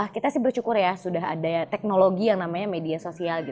kita sih bersyukur ya sudah ada teknologi yang namanya media sosial